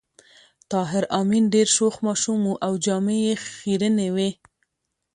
طاهر آمین ډېر شوخ ماشوم و او جامې یې خيرنې وې